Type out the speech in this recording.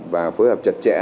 và phối hợp chặt chẽ